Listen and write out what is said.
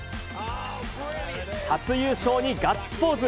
初優勝にガッツポーズ。